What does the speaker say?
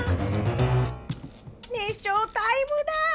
熱唱タイムだ！